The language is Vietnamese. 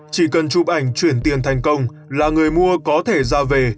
chỉ cần chụp ảnh chuyển tiền thành công là người mua có thể ra về